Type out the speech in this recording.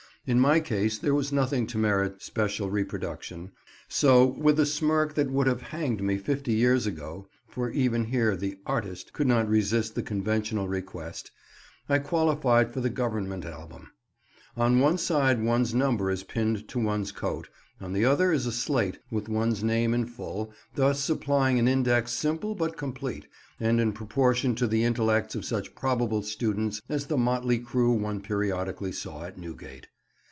In my case there was nothing to merit special reproduction, so with a smirk that would have hanged me fifty years ago (for even here the "artist" could not resist the conventional request) I qualified for the Government album. On one side one's number is pinned to one's coat, on the other is a slate with one's name in full, thus supplying an index simple but complete, and in proportion to the intellects of such probable students as the motley crew one periodically saw at Newgate.